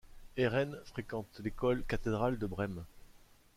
Heeren fréquente l'école cathédrale de Brême.